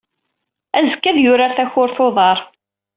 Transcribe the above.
Azekka, ad yurar takurt n uḍar.